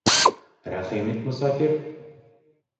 Рәхим ит, мосафир.